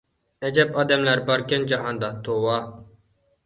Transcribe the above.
ئەجەب ئادەملەر باركەن جاھاندا، توۋا...